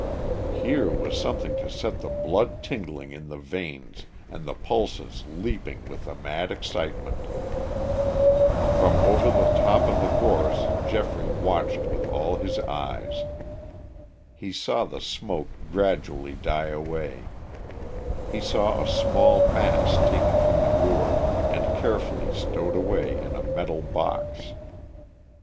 Here was something to set the blood tingling in the veins and the pulses leaping with a mad excitement. From over the top of the gorse Geoffrey watched with all his eyes. He saw the smoke gradually die away; he saw a small mass taken from the gourd and carefully stowed away in a metal box.